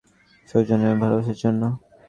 সৌন্দর্য এবং ভালবাসার জন্য।